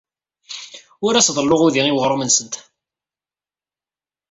Ur as-ḍelluɣ udi i weɣrum-nsent.